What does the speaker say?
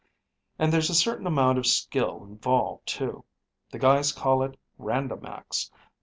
And there's a certain amount of skill involved too. The guys call it Randomax.